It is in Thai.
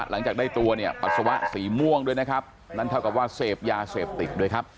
หลังจากได้ตัวเนี่ยปัสสาวะสีม่วงด้วยนะครับนั่นเท่ากับว่าเสพยาเสพติดด้วยครับ